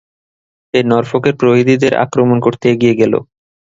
সে নরফোকের প্রহরীদের আক্রমণ করতে এগিয়ে গেল।